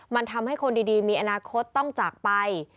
มันทำให้คนดีมีอนาคตต้องจากไป